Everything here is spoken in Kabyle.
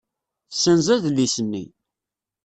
Tessenz adlis-nni.